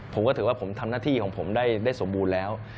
ผมก็ถือว่าผมทำหน้าที่ของผมได้สมบูรณ์แล้ว